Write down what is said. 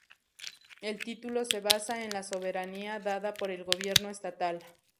El título se basa en la soberanía dada por el gobierno estatal.